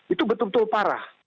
itu betul betul parah